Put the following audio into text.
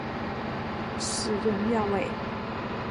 死人呀喂！